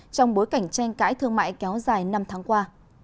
trong bối cảnh tranh cãi thương mại kéo dài năm tháng qua